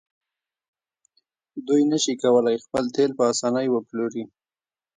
دوی نشي کولی خپل تیل په اسانۍ وپلوري.